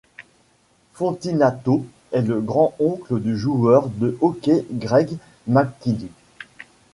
Fontinato est le grand oncle du joueur de hockey Greg McKegg.